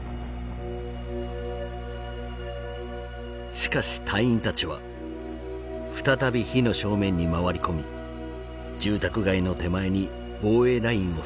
しかし隊員たちは再び火の正面に回り込み住宅街の手前に防衛ラインを再構築。